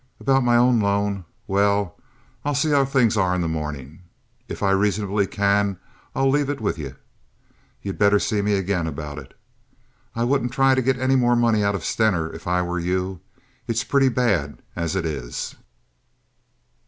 About my own loan—well, I'll see how things are in the mornin'. If I raisonably can I'll lave it with you. You'd better see me again about it. I wouldn't try to get any more money out of Stener if I were you. It's pretty bad as it is."